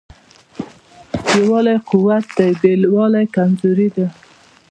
یووالی قوت دی بېلوالی کمزوري ده.